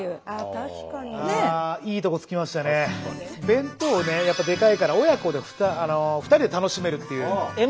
弁当をねやっぱでかいから親子で２人で楽しめるっていう。